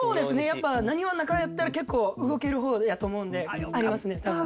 やっぱなにわの中やったら結構動ける方やと思うんでありますね多分。